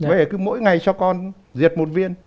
vậy cứ mỗi ngày cho con diệt một viên